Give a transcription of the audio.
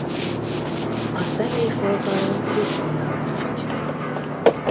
A személyforgalom viszonylag nagy.